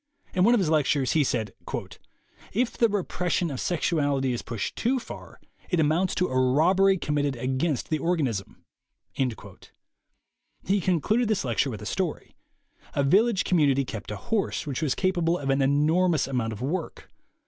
In one of his lec tures, he said: "If the repression of sexuality is pushed too far it amounts to a robbery committed against the organism." He concluded this lecture with a story. A village community kept a horse which was capable of an enormous amount of work.